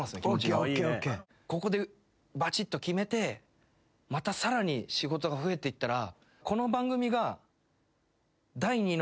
ここでばちっと決めてまたさらに仕事が増えていったら。